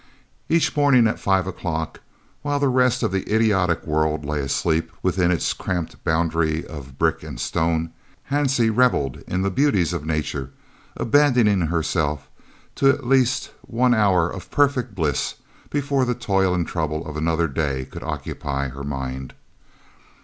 Each morning at 5 o'clock, while the rest of the idiotic world lay asleep within its cramped boundary of brick and stone, Hansie revelled in the beauties of Nature, abandoning herself to at least one hour of perfect bliss before the toil and trouble of another day could occupy her mind.